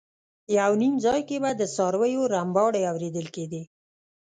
یو نیم ځای کې به د څارویو رمباړې اورېدل کېدې.